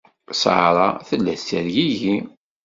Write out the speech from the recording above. Sarah tella tettergigi.